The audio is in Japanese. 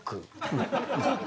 うん。